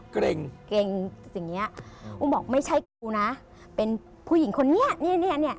เกร็งเก่งอย่างเงี้ยอุ้มบอกไม่ใช่กูนะเป็นผู้หญิงคนนี้เนี่ยเนี่ย